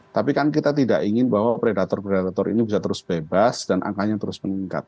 tapi kan kita tidak ingin bahwa predator predator ini bisa terus bebas dan angkanya terus meningkat